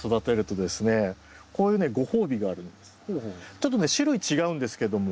ちょっとね種類違うんですけども。